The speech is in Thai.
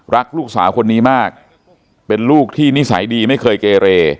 รักลูกสาวคนนี้มากเป็นลูกที่นิสัยดีไม่เคยเกเร